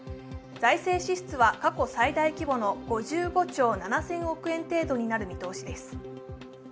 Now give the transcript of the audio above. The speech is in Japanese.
財政支出は過去最高規模の５５兆７０００億規模になりそうです。